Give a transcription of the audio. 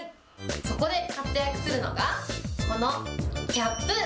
そこで、活躍するのが、このキャップ。